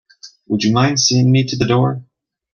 Would you mind seeing me to the door?